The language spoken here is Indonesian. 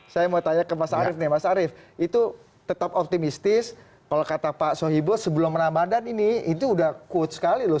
saya mau tanya ke mas arief nih mas arief itu tetap optimistis kalau kata pak sohibo sebelum ramadhan ini itu udah quote sekali loh